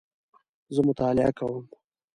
زه مطالعه کوم